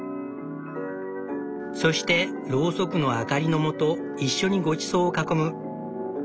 そしてロウソクの明かりのもと一緒にごちそうを囲む。